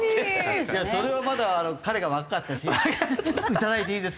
いやそれはまだ彼が若かったし頂いていいですか？